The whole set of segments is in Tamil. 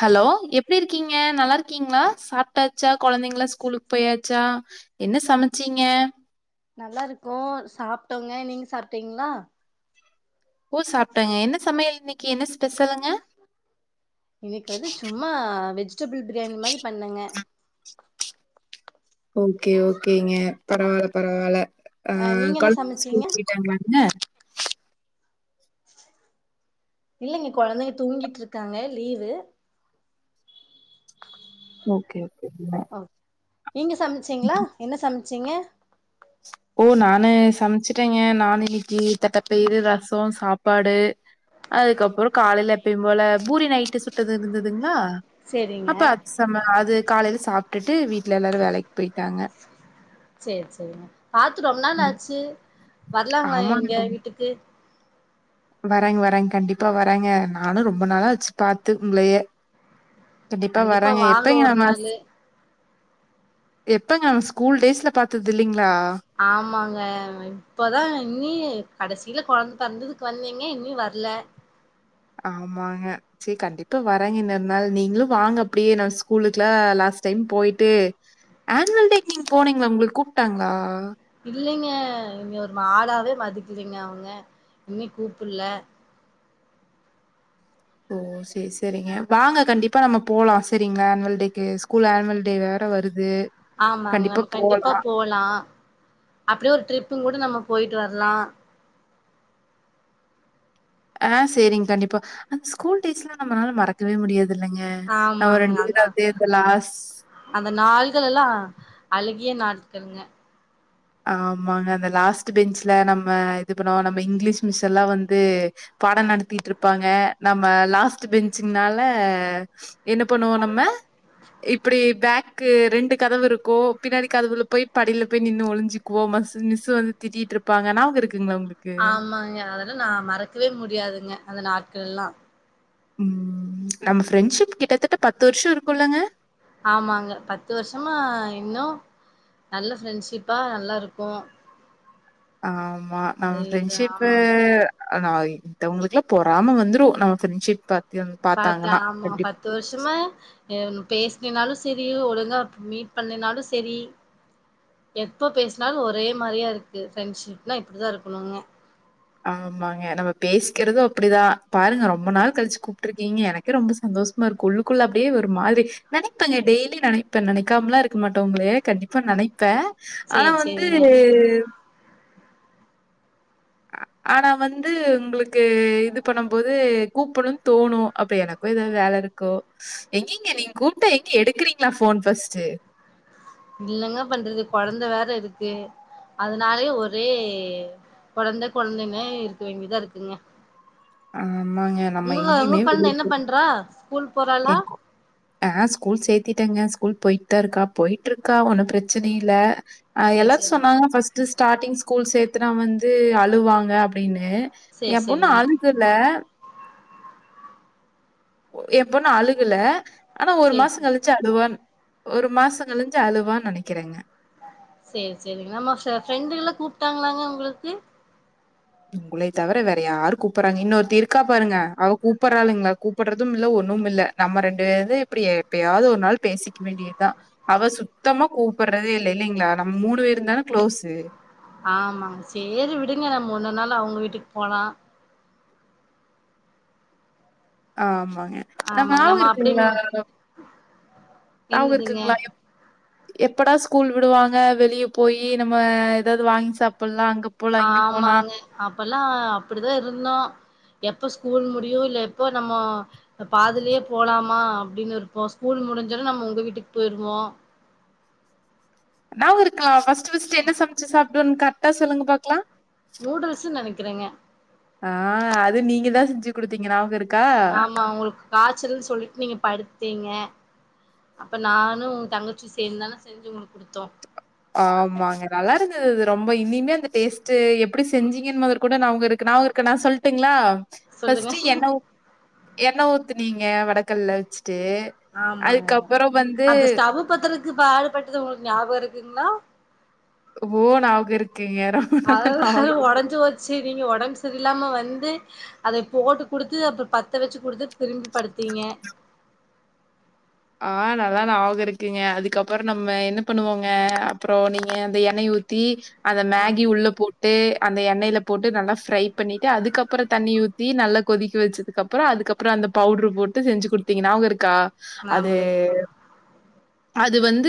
ஹலோ எப்டிருக்கீங்க நல்லா இருக்கீங்ளா சாப்ட்டாச்சா குழந்தைங்களா ஸ்கூலுக்கு போயாச்சா என்ன சமச்சீங்க நல்லாருக்கோ சாப்ட்டோங்க நீங்க சாப்ட்டீங்ளா ஓ சாப்ட்டாங்க என்ன சமையல் இன்னைக்கு என்ன ஸ்பெஷலுங்க இன்னைக்கு வந்து சும்மா வெஜிடபுள் பிரியாணி மாரி பண்ணங்க ஓகே ஓகேங்க பரவால்ல பரவால்ல ஆ அ நீங்க என்ன கொழந்தங்க சமச்சீங்க ஸ்கூல் போய் டமன்ன இல்லைங்க கொழந்தைங்க தூங்கிட்ருக்காங்க லீவு ஓகே ஓகே ஓ நீங்க சமச்சீங்ளா என்ன சமச்சீங்க ஓ நானு சமச்ட்டேங்க நானு இன்னிக்கு தட்டபயிரு ரசோ சாப்பாடு அதுக்கப்றோ காலைல எப்பயு போல பூரி நைட்டு சுட்டது இருந்துதுங்ளா சேரிங்க அப்ப அது சம அது காலைல சாப்டுட்டு வீட்ல எல்லாரு வேலைக்கு போய்ட்டாங்க சேர் செரிங்க பாத்து ரொம் நாள் ஆச்சு வரலாங்களா எங்க வீட்டுக்கு வரேங் வரேங் கண்டிப்பா வரேங்க நானு ரொம்ப நாளாச்சு பாத்து உங்களயே கண்டிப்பா வரங்க வாங்க எப்பங்க ஒரு மாஸ் நாளு எப்பங்க நம்ம ஸ்கூல் டேஸ்ல பாத்தது இல்லைங்ளா ஆமாங்க இப்பதா இன்னீ கடசீல கொழந்த பிறந்ததுக்கு வந்தீங்க இன்னீ வர்ல ஆமாங்க சேரி கண்டிப்பா வரேங்க இன்னொரு நாள் நீங்களு வாங்க அப்டியே நம்ம ஸ்கூலுக்லா லாஸ்ட் டைம் போயிட்டு ஆனுவல் டேக் நீங்க போனீங்ளா உங்கள கூப்ட்டாங்ளா இல்லைங்க என்ன ஒரு மாடாவே மதிக்கிலிங்க அவ்னுங்க உன்னி கூப்புல்ல ஓ சேர் செரிங்க வாங்க கண்டிப்பா நம்ம போலா செரிங்ளா ஆனுவல் டேக்கு ஸ்கூல் ஆனுவல் டே வேற வருது ஆமாங்க நம்ம கண்டிப்பா போலா அப்டியே ஒரு ட்ரிப்புங்கூட நம்ம போயிட்டு வரலா அ சரிங் கண்டிப்பா அந்த ஸ்கூல் டேஸ்லா நம்மளால மறக்கவே முடியாதுல்லங்க நம்ம ஆமாங்க ரெண்டு பேரு அதா அப்டியே அந்த லாஸ் அந்த நாள்களல்லா அழகிய நாட்கள்ங்க ஆமாங்க அந்த லாஸ்ட் பெஞ்ச்ல நம்ம இது பண்ணுவோ நம்ம இங்கிலீஷ் மிஸ்ஸல்லா வந்து பாட நடத்திட்ருப்பாங்க நம்ம லாஸ்ட் பெஞ்சுங்னால என்ன பண்ணுவோ நம்ம இப்பிடி பேக் க்கு ரெண்டு கதவு இருக்கும் பின்னாடி கதவுல போய் படில போய் நின்னு ஒளிஞ் சுக்குவோ மஸ் மிஸ்ஸு வந்து திட்டிட்ருப்பாங்க ஞாவகருக்குங்ளா ஒங்ளுக் ஆமாங்க அதெலா நா மறக்கவே முடியாதுங்க அந்த நாட்கள்லா ம் நம்ம ஃப்ரெண்ட்ஷிப் கிட்டத்தட்ட பத்து வருஷருக்குல்லங்க ஆமாங்க பத்து வருஷமா இன்னு நல்ல ஃப்ரெண்ட்ஷிப்பா நல்லாருக்கோ ஆமா நம்ம இது ஃப்ரெண்ட்ஷிப்பு ஆமாங்க நா மித்தவுங்களுக்லா பொறாம வந்துரு நம்ம ஃப்ரெண்ட்ஷிப் பாத்து பாத்தாங்கன்னா கண்டிப் த்து வருஷமா அ பேசிக்னாலு செரி ஒழுங்கா மீட் பண்லனாலு செரி எப்ப பேசுனாலு ஒரே மாரியாருக்கு ஃப்ரெண்ட்ஷிப்னா இப்பிடிதாருக்குணுங்க ஆமாங்க நம்ம பேசிக்கறது அப்டிதா பாருங்க ரொம்ப நாள் கழ்ச்சு கூப்ட்ருக்கீங்க எனக் கே ரொம்ப சந்தோஷமா இருக்கு உள்ளுக்குள்ள அப்டியே ஒரு மாரி நெனைப்பங்க டெய்லி நெனைப்ப நெனைக்காமலா இருக்க மாட்ட ஒங்களய கண்டிப்பா நெனைப்பே ஆனா சேரி வந்து சேரிங்க ஆனா வந்து உங்குளுக்கு இது பண்ணும்போது கூப்புனுந் தோணு அப்ப எனக் க்கு ஏதாது வேலருக்கு எங்கங்க நீங்க கூப்ட்டா எங்க எடுக்கிறீங்ளா ஃபோன் ஃபஸ்ட்டு இல்லங்க பண்றது கொழந்த வேற இருக்கு அதனாலே ஒரே கொழந்த கொழந்தைன்னே இருக்க வேண்டியதா இருக்குங்க ஆமாங்க நம்ம எங்கியிமே வெளிய போ ரா ஸ்கூல் போறா எங்க்கு அ ஸ்கூல் சேத்திட்டங்க ஸ்கூல் போயிட்த்தா இருக்கா போயிட்ருக்கா ஒன்னும் ப்ரச்சன இல்ல ஆ சேரி எல்லார் சேரிங்க சொன்னாங்க ஃபஸ்ட்டு ஸ்டார்ட்டிங் ஸ்கூல் சேத்துனா வந்து அழுவாங்க அப்டின்னு சேரி எம்பொண்ணு சேரிங்க அழுகுல எம்பொண்ணு அழுகுல ஆனா ஒரு சேரி சேரி மாசங்கழி ச்சு அழுவான் ஒரு மாசங்கழிஞ்சு அழுவான் நெனக்கிறங்க சேரி சேரி நம்ம ஃப்ரெண்டுங்கலா கூப்ட்டாங்களாங்க ஒங்குளுக்கு உங்களைய தவிர வேற யாரு கூப்பறாங்க இன்னொருத்தி இருக்கா பாருங்க அவ கூப்பட்றாளுங்ளா கூப்பட்றதுமில்ல ஒண்ணுமில்ல நம்ம ரெண்டு பேது இப்பிடி எப்பயாவுது ஒரு நாள் பேசிக்க வேண்டியதா அவ சுத்தமா கூப்பட்றதேல்ல இல்லீங்ளா நம்ம மூணு பேருந்தான க்ளோஸு ஆமா சேரி விடுங்க நம்ம உன்னோன்நாளு அவுங்க வீட்டுக்கு போலா ஆமாங்க நம்ம ஆமாங்க அப்டி ஞாவகருக்குங்ளா என்னதுங்க ஞாவகருக்குங்ளா எப்படா ஸ்கூல் விடுவாங்க வெளிய போயி நம்ம ஏதாவுது வாங்கி சாப்புட்லா அங்க போலாம், இங்க போலாம். ஆமாங்க அப்பல்லா அப்டிதாருந்தோ எப்ப ஸ்கூல் முடியு இல்ல எப்போ நம்மோ பாதிலே போலாமா அப்டின் இருப்போ ஸ்கூல் முடிஞ்சோனே நம்ம உங்க வீட்டுக்கு போயிருவோ ஞாவகருக்கா ஃபஸ்ட்டு ஃபஸ்ட்டு என்ன சமைச்சு சாப்டோன் கர்ட்டா சொல்லுங்க பாக்லா நூடுல்ஸ்ஸுன் நெனக்கிறங்க ஆ அது நீங்கதா செஞ்சு குடுத்தீங்க ஞாவகருக் ஆமா உங்குளுக்கு காச்சல்னு சொல்லிட்டு நீங்க படுத்ட்டீங்க அப்ப நானு ஒங்தங்கச்சி சேந்தான செஞ்சு உங்குளுக்கு குடுத்தோ ஆமாங்க நல்லாருந்தது அது ரொம்ப இனிமையா அந்த டேஸ்ட்டு எப்டி செஞ்சீங்கன் மொதற்கொண்டு நாவகருக்கு நாவகருக் கு நா சொல்ட்டுங்ளா சொல்லுங்க ஃபஸ்ட்டு எண்ண ஊ எண்ண ஊத்துனீங்க வடக்கல்ல வச்ட்டு அதுக்கப்பறம் வந்து ப்பத்தறக்கு பாடுபட்டது உங்களுக்கு ஞாப இருக்குங்ளா ஓ நாவ்க இருக்குங்க நா அது வேற ஒடஞ்சு போச் சரி நீங்க ஒடம்பு சரியில்லாம வந்து அத போட்டு குடுத்து அப்பறோ பத்த வச்சி குடுத்து திரும்பி படுத்தீங்க ஆ நல்லா நாவக இருக்குங்க அதுக்கப்றோ நம்ம என்ன பண்ணுவோங்க அப்றோ நீங்க அந்த எண்ணெய ஊ த்தி அந்த ஆ மேகி உள்ள போ ட்டு அந்த எண்ணெல போட்டு நல்லா ஃப்ரை பண்ணிட்டு அதுக்கப்றோ தண்ணி ஊத்தி நல்லா கொதிக்க வச்சித் அதுக்கப்றோ அதுக்கப்றோ அந்த பவுட்ரு போட்டு செஞ்சி குடுத்தீங்க நாவகா இருக்கா அது நாம அது வந்து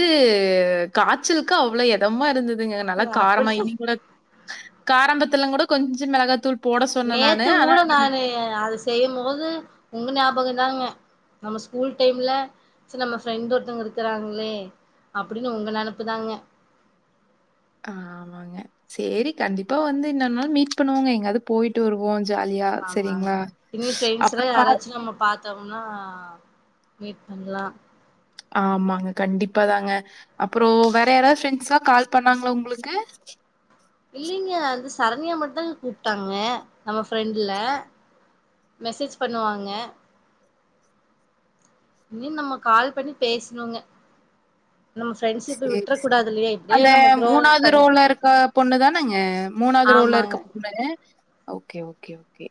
காச்சலுக்கு அவ்ளோ எத் இதமா இருந்ததுங்க நல்லா அப்படி காரமா இன்னி கூட காரம்பத்துலா கூட கொஞ்சோ மெளகா தூள் நேத்து கூட நானு அத செய்யு போது உங்க ஞாபக தாங்க நம்ம ஸ்கூல் டைம்ல சர் நம்ம ஸ்கூல் டைம்ல சு நம்ம ஃப்ரெண்ட் ஒருத்தவங்க இருக்றாங்களே அப்டின்னு உங்க நெனப்புதாங்க ஆமாங்க சேரி கண்டிப்பா வந்து இன்னொரு நாள் மீட் பண்ணுவோங்க எங்காயாதுப் போயிட்டு வருவோ ஜாலியா ஆமாங்க சரிங்ளா இனி ஃப்ரெண்ட்ஸ் அப்றோ எல்லா பார் யாராச்சு நம்ம பாத் தோம்னா மீட் பண்லா ஆமாங்க கண்டிப்பா தாங்க அப்றோ ஓ வேற யாராவது ஃப்ரெண்ட்ஸா கால் பண்ணாங்களா உங்ளுக்கு இல்லங்க வந்து சரண்யா மட்டுதாங்க கூப்டாங்க நம்ம ஃப்ரெண்ட்ல மெசேஜ் பண்ணுவாங்க இன்னிம் நம்ம கால் பண்ணி பேசணுங்க நம்மஸ் சேரி சேரி அந்த க்ரோ மூணாவது பண்ணிட்டு ரோல இருக்கணு இருக்க பொண்ணுதானங்க மூணாவது ரோல ஆமாங்க இருக்கப் [unintelligible] ஓகே ஓகே ஓகே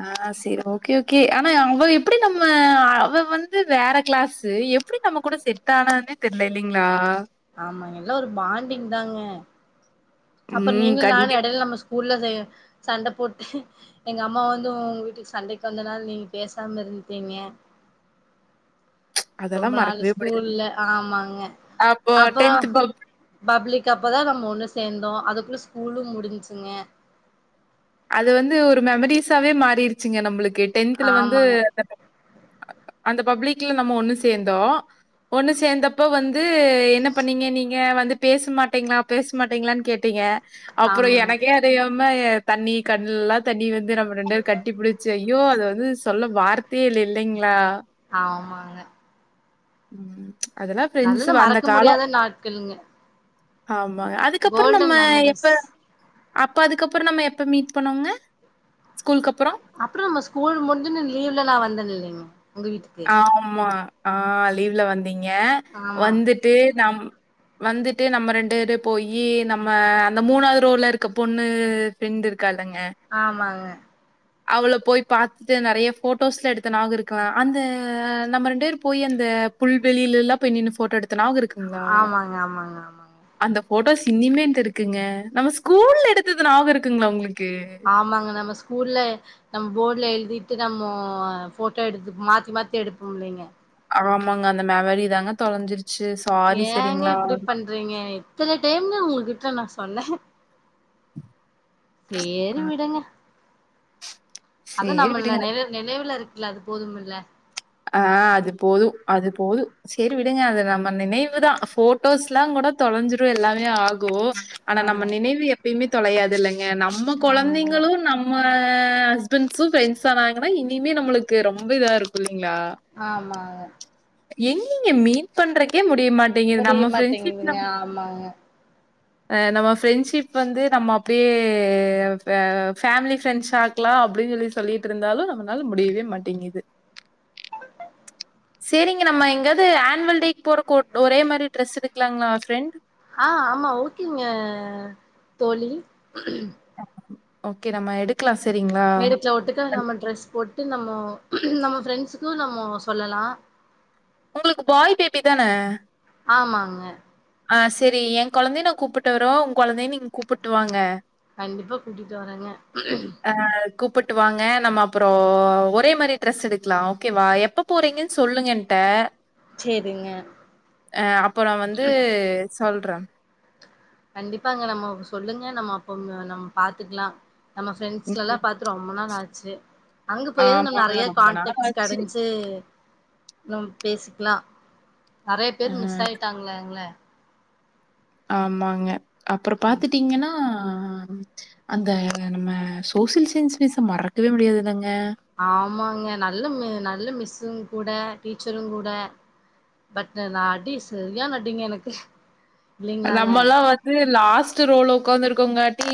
அ ஆ சேரி ஓகே ஓகே ஆனா அவ எப்டி நம்ம அ அவ வந்து வேற கிளாஸ்சி எப் எப்டி நம்ம கூட செட்டானானே தெர்ல இல்லங்ளா ஆமா எல்லா ஒரு பாண்டிங்தாங்க அப்றோ ம். நீங்ளு நானு கண்டிப் எடைல நம்ம ஸ்கூல்ல செய சண்ட போட்டே எங்க அம்மா வந்து ஒ உங்க வீட்டுக்கு சண்டைக்கு வந்தனால நீங்க பேசாம இருந்துட்டீங்க ரொம்ப அதெல்லாம் நாள் மறக்கவே முடியாது. ஸ்கூல்ல ஆமாங்க அப்போ அப்றோ பப் பப்ளிக் அப்பதா நம்ம ஒன்னு சேந்தோ அதுக்குள்ள ஸ்கூலு முடிஞ்சிங்க அது வந்து ஒரு மெமரிசாவே மாறிருச்சிங்க நம்ளுக்கு டென்த்ல வந்து ஆமாங்க அந்த அந்த பப்ளிக்ல நம்ம ஒன்னு சேந்தோ ஒன்னு சேந்தப்ப வந்து என்ன பண்ணீங்க நீங்க வந்து பேசமாட்டெங்ளாப் பேசமாட்டீங்களானு கேட்டீங்க அப்றோ ஆமாங்க எனக்கே அறியாம தண்ணி கண்லல்லா தண்ணி வந்து நம்ம ரெண்டு பேரு கட்டி புடிச்சை ஐயோ அத வந்து சொல்ல வார்த்தே இல்ல இல்லைங்ளா ஆமாங்க அதெல்லா ஃப்ரெண்ஸ் நல்ல வந்த மறக்க காலோ முடியாத நாட்களுங்க ஆமாக அதுக்கப்புற நம்ம கோல்டன் எப்ப மெமரிஸ் அப்போ அதுக்கப்றோ நம்ம எப்ப மீட் பண்ணோங்க ஸ்கூலுக்கு அப்றோ அப்றோ நம்ம ஸ்கூல் முடிஞ்சன்னு லீவ்ல நா வந்தே இல்லைங்க உங்க வீட்டுக்கு ஆமா ஆ லீவ்ல வந்தங்க ஆமா வந்துட்டு நம் வந்துட்டு நம்ம ரெண்டு பேரு போயி நம்ம அந்த மூணாவது ரோலருக்க பொண்ணு ஃப்ரெண்ட் இருக்கால்லங்க ஆமாங்க அவள போய் பாத்துட்டு நெறைய போட்டோஸ்ல எடுத்த நாவக இருக்கலா அந்த நம்ம ரெண்டு பேரு போய் அந்த புல்வெளிலல்லா போய் நின்னு ஃபோட்டோ எடுத் த நாவக இருக்குங்களா ஆமாங்க ஆமாங்க ஆமாங்க அந்த ஃபோட்டோஸ் இனிமேயான்ட்ட இருக்குங்க நம்ம ஸ்கூல்ல எடுத்தது நாபகோ இருக்குங்ளா உங்ளுக்கு ஆமாங்க நம்ம ஸ்கூல்ல நம்ப போட்ல எழுதிட்டு நம்மோ ஃபோட்டோ எடுத்து மாத்தி மாத்தி எடுப்போம்ல்லைங்க ஆமாங்க அந்த மெமரி தாங்க தொலைஞ்சிருச்சு சாரி செரிங்ளா செரிங்க எத்தன டைம்முங்க உங்ககிட்ட நா சொன்ன ஆ சேரி விடுங்க அத சரி நம்ம விடுங்க. நெனை நெனைவுல இருக்குல்ல அது போதும் இல்ல ஆ அது போது அது போது சேரி விடுங்க அது நம்ம நினைவுதா ஃபோட்டோசுல்லா கூட தொலஞ்சிரு எல்லாமே ஆகு ஆனா ஆமா நம்ம நினைவு எப்பயுமே தொலையாதுல்லங்க நம்ம ஆமாங்க கொழந்தைங்களு நம் நம்ம ஹஸ்பண்ட்சு ஃப்ரெண்ட்ஸ் ஆனாங்கனா இனிமே நம்ளுக்கு ரொம்ப இதா இருக்கு இல்லிங்ளா ஆமாங்க எங்கங்க மீட் பண்றக்கே முடிய மாட்டேங்குது முடிய நம்ம ஃப்ரெண்ட்ஷிப் மாட்டேங்குதுங்க நம் ஆமாங்க அ நம்ம ஃப்ரெண்ட்ஷிப் வந்து நம்ம அப்டியே ஃபே ஃபேமிலி ஃப்ரெண்ட்ஸா க்கலா அப்டின் சொல்லி சொல்லிட்ருந்தாலு நம்பனாள முடியவே மாட்டேங்குது சேரிங்க நம்ம எங்காது ஆன்வல் டேக்கு போறக்கு ஓர் ஒரே மாரி ட்ரெஸ் எடுக்லாங்ளா ஃப்ரெண்ட் ஆ ஆமா ஓகேங்க தோழி ஓகே நம்ம எடுக் க்லா சரிங்ளா மேடத்த ஒத்துக்க நம்ம ட்ரெஸ் போட்டு நம்மோ நம்மோ ஃப்ரெண்ட்சுக்கு நம்மோ சொல்லலா உங்களுக்கு பாய் பேபி தான ஆமாங்க ஆ செரி எ கொழந்தைய நா கூப்புட்டு வரவா உங் கொழந்தைய நீங் கூப்புட்டு வாங்க கண்டிபா கூட்டிட்டு வரங்க ஆ கூப்புட்டு வாங்க நம்ம அப்றோ ஒரே மாரி ட்ரஸ் எடுக்லா ஓகேவா எப்ப போறீங்கன் சொல்லுங்க என்ட்ட சேரிங்க அப்ப நா வந் து சொல்ற கண்டிப்பாங்க நம்ம சொல்லுங்க நம்ம அப்போ நம் பாத்துக்லா நம்ம ஃப்ரெண்ட்ஸ்லல்லா ம் பாத் து ரொம்ப நாள் ஆச்சு அங்க போய்ல் ஆமாங்க நறைய ரொம்ப நாள் கான்டக்ட்ஸ் ஆச்சு கெடஞ்சு நம் பேசிக்லா நறைய ஆ பேரு மிஸ் ஆயிட்டாங்கங்ளே ஆமாங்க அப்றோ பாத்துட்டீங்கனா அந்த நம்ம சோசியல் சயின்ஸ் மிஸ்ஸ மறக்கவே முடியாதுல்லங்க ஆமாங்க நல்ல மி நல்ல மிஸ்சுங் கூட டீச்சருங் கூட பட்டு நா அடி சரியான அடிங்க எனக்கு இல்லைங்களாங்க நம்பலா ஒத் து லாஸ்ட்டு ரோல உக்காந்துருக்கோங்காட்டி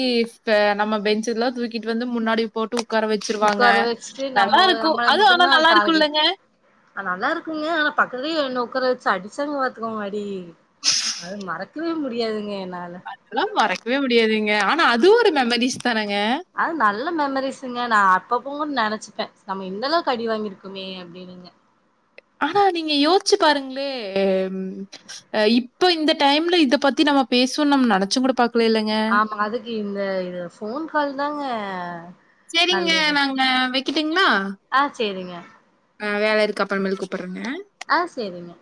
அ நம்மோ பெஞ்சுல்லா தூக்கிட்டு வந்து முன்னாடிப் போட்டு உக்கார வெச்சிருவாங்க உட்கார வச்சுட்டு நல்லா நம்ம இருக்கோ அது ஆனா நல்லா இருக்கு இல்லங்க அ நல்லா இருக்குங்க ஆனா பக்கத்துலேயே என்ன உக்கார வெச்சு அடிச்சாங்க பாத்துக்கோங்க அடி அது மறக்கவே முடியாதுங்க என்னால அதலா மறக்கவே முடியாதுங்க ஆனா அதுவு ஒரு மெமரீஸ் தானங்க அது நல்ல மெமரிசுங்க நா அப்பப்பவு நெனச்சிப்பே நம்ம இந்தளவுக்கு அடி வாங்கியிருக் குமே அப்டினுங்க ஆனா நீங்க யோச்சி பாருங்ளே அ இந்த டைம்ல இத பத்தி நாம பேசுவோம்னு நம்ம நெனச்சும் கூட பாக்ல இல்லங் ஆமாங்க அதுக்கு இந்த இது ஃபோன் கால் தாங்க சேரிங்க நல்லது நாங்க வெக்கிட்டுங்ளா ஆ செரிங்க ஆ வேல இருக்கு அப்பறமேல் கூப்பற்றேங்க ஆ சேரிங்க